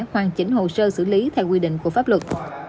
hoàn chỉnh hồ sơ xử lý theo quy định của pháp luật